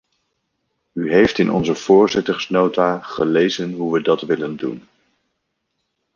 U heeft in onze voorzittersnota gelezen hoe we dat willen doen.